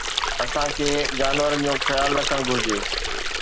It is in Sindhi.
اسان کي جانورن جو خيال رکڻ گهرجي